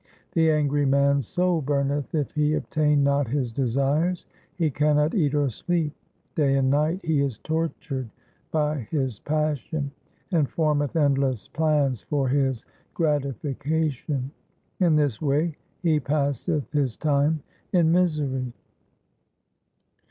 The angry man's soul burneth if he obtain not his desires. He cannot eat or sleep. Day and night he is tortured by his passion, and formeth endless plans for its gratification. In this way he passeth his time in misery.